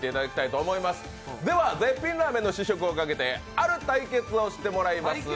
では、絶品ラーメンの試食をかけてある対決をしていただきます。